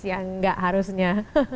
ya gak harusnya